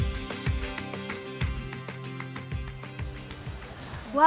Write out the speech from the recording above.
jangan lupa untuk berlangganan di kolom komentar